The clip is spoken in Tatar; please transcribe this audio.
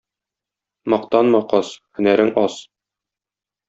Мактанма, каз, һөнәрең аз.